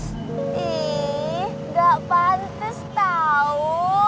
ih gak pantas tau